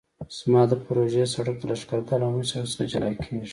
زما د پروژې سرک د لښکرګاه له عمومي سرک څخه جلا کیږي